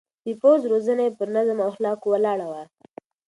د پوځ روزنه يې پر نظم او اخلاقو ولاړه وه.